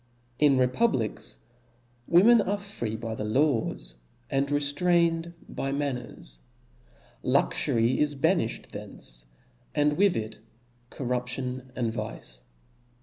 In republics women are free by the laws, and reftraiped by manners ; luxury is banifhed from thence, and with it corruption and vice.